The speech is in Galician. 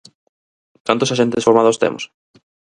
¿Cantos axentes formados temos?